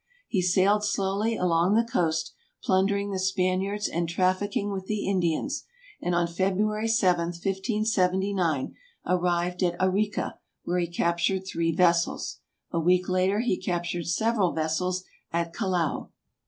He sailed slowly along the coast, plundering the Spaniards and traffick ing with the Indians and on February 7, 1579, arrived at Arica, where he captured three vessels. A week later he captured several vessels at Callao.